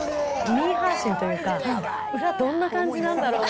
ミーハー心というか、裏、どんな感じなんだろう？